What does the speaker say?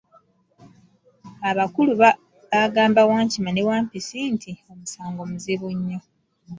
Abakulu baagamba Wankima ne Wampisi nti, Omusango muzibu nnyo.